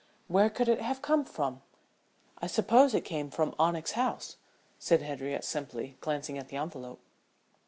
Where could it have come from?" "I supposed it came from Onyx House," said Henriette simply, glancing at the envelope.